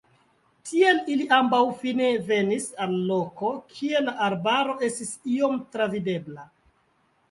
Tiel ili ambaŭ fine venis al loko, kie la arbaro estis iom travidebla.